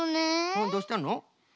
うんどうしたの？